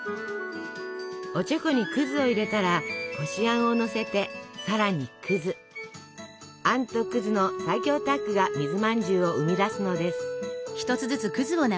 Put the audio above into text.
おちょこにを入れたらこしあんをのせてあんとの最強タッグが水まんじゅうを生み出すのです。